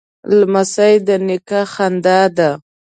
لمسی د نیکه خندا ده.